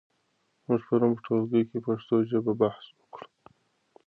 موږ پرون په ټولګي کې په پښتو ژبه بحث وکړ.